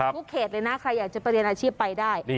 เขตเลยนะใครอยากจะไปเรียนอาชีพไปได้